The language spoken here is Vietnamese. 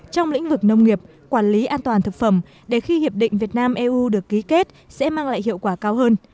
trong lĩnh vực nông nghiệp quản lý an toàn thực phẩm để khi hiệp định việt nam eu được ký kết sẽ mang lại hiệu quả cao hơn